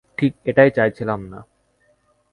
ঠিক এটাই আমি চাইছিলাম না।